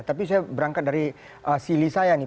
tapi saya berangkat dari sili saya nih